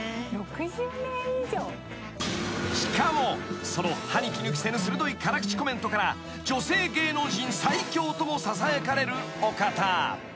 ［しかもその歯に衣着せぬ鋭い辛口コメントから女性芸能人最強ともささやかれるお方］